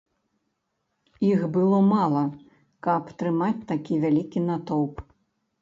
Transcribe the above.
Іх было мала, каб трымаць такі вялікі натоўп.